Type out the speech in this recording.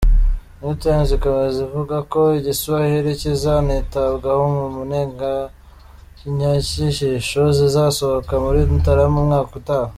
New Times ikomeza ivuga ko Igiswahili kizanitabwaho mu nteganyanyigisho zizasohoka muri Mutarama umwaka utaha.